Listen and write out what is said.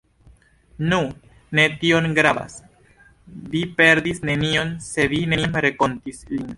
Nu, ne tiom gravas, vi perdis nenion se vi neniam renkontis lin.